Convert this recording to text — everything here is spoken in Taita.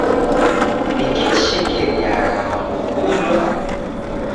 Niki chishekeriagha w'andu kulwa?